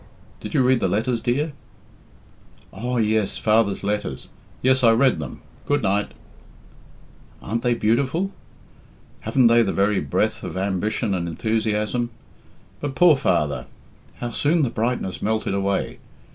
"Did you read the letters, dear?" "Oh, yes. Father's letters. Yes, I read them. Good night." "Aren't they beautiful? Haven't they the very breath of ambition and enthusiasm? But poor father! How soon the brightness melted away!